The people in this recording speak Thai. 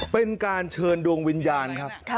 เป็นการเชิญดวงวิญญาณครับ